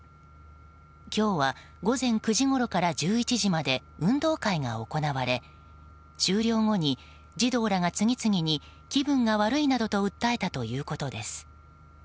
今日は午前９時ごろから１１時まで運動会が行われ終了後に児童らが次々に気分が悪いなどと訴えたということです。